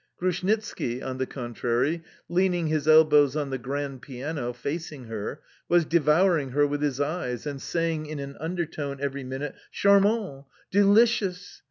Grushnitski, on the contrary, leaning his elbows on the grand piano, facing her, was devouring her with his eyes and saying in an undertone every minute: "Charmant! Delicieux!"